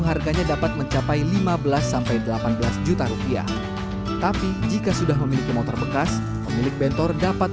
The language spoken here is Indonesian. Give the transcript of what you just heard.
harganya dapat mencapai lima belas sampai delapan belas juta rupiah tapi jika sudah memiliki motor bekas pemilik bentor dapat